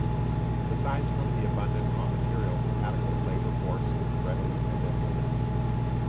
Besides form the abundant raw materials, adequate labor force is readily available.